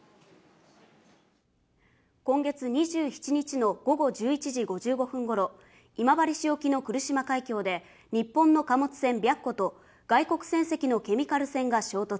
今月２７日の午後１１時５５分頃、今治市沖の来島海峡で日本の貨物船・白虎と外国船籍のケミカル船が衝突。